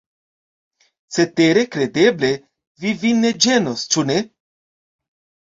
Cetere, kredeble, vi vin ne ĝenos, ĉu ne?